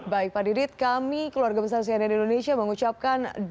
baik pak didit kami keluarga pesan siaran indonesia mengucapkan